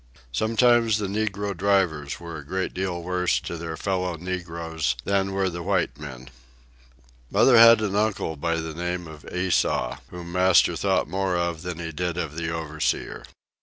Sometimes the negro drivers were a great deal worse to their fellow negroes than were the white men. Mother had an uncle by the name of Esau, whom master thought more of than he did of the overseer.